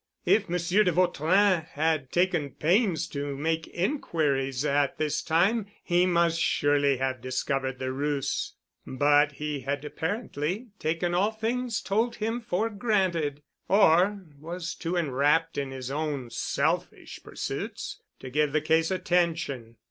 If Monsieur de Vautrin had taken pains to make inquiries at this time he must surely have discovered the ruse, but he had apparently taken all things told him for granted, or was too enwrapped in his own selfish pursuits to give the case attention.